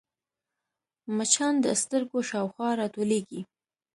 مچان د سترګو شاوخوا راټولېږي